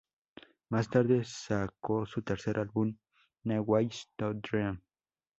Más tarde sacó su tercer álbum "New Ways to Dream".